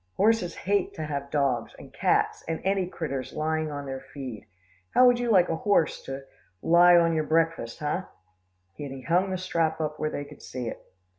"Horses hate to have dogs, and cats, and any critters lying on their feed. How would you like a horse to lie on your breakfus, hey?" and he hung the strap up where they could see it.